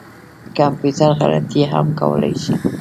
کمپیوټر غلطي هم کولای شي